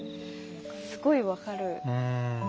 すごい分かる私は。